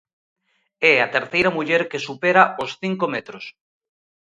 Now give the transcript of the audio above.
É a terceira muller que supera os cinco metros.